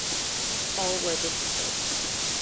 All were defeated.